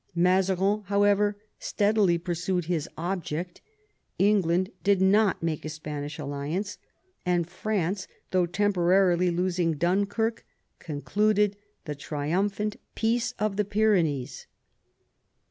Mazarin, however, steadily pursued his object, England did not make a Spanish alliance, and France, though temporarily losing Dunkirk, concluded the triumphant Peace of the Pyrenees.